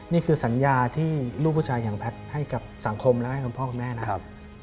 นี่คือสัญญาที่ลูกผู้ชายอย่างแพทย์ให้กับสังคมและให้คุณพ่อคุณแม่นะครับ